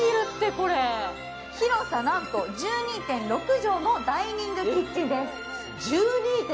広さなんと１２．６畳のダイニングキッチンです。